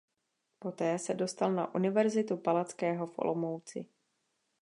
Poté se dostal na Univerzitu Palackého v Olomouci.